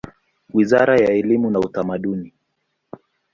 Wizara ya elimu na Utamaduni.